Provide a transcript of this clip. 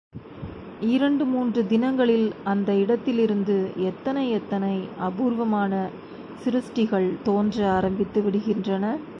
இரண்டு மூன்று தினங்களில் அந்த இடத்திலிருந்து எத்தனை எத்தனை அபூர்வமான சிருஷ்டிகள் தோன்ற ஆரம்பித்து விடுகின்றன!